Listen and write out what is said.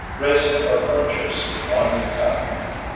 Raisin or prune juice, 1 cup.